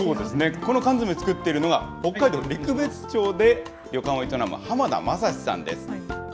この缶詰を作っているのが、北海道陸別町で旅館を営む濱田正志さんです。